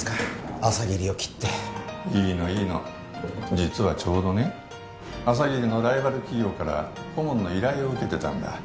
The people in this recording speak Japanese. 朝霧を切っていいのいいの実はちょうどね朝霧のライバル企業から顧問の依頼を受けてたんだ